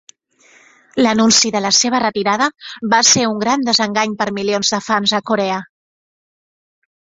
L'anunci de la seva retirada va ser un gran desengany per milions de fans a Corea.